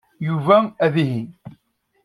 Yuba ad ihi.